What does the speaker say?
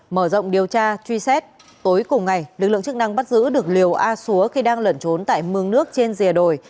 mở rộng điều tra truy xét tối cùng ngày lực lượng chức năng bắt giữ được liều a súa khi đang lẩn trốn tại mường nước trên dìa đồi